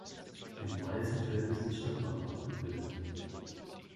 Im weißen Feld ist das Stadtwappen abgebildet.